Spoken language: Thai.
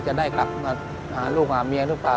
จะได้กลับมาหาลูกหาเมียหรือเปล่า